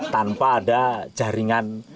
tanpa ada jaringan